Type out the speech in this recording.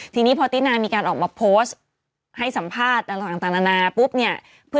ทีนี้พอติ๊นามีการออกมาโพสต์ให้สัมภาษณ์ฝั่งต่าง